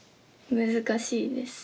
難しいです。